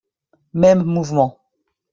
Mêmes mouvements